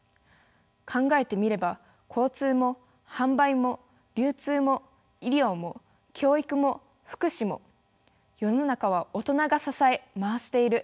考えてみれば交通も販売も流通も医療も教育も福祉も世の中は大人が支え回している。